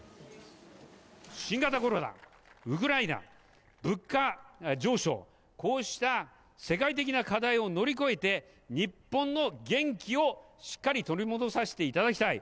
新型コロナ、ウクライナ、物価上昇、こうした世界的な課題を乗り越えて、日本の元気をしっかり取り戻させていただきたい。